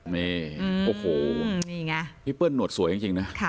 นี่โอ้โหนี่ไงพี่เปิ้ลหนวดสวยจริงนะ